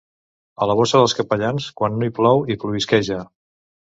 A la bossa dels capellans, quan no hi plou, hi plovisqueja.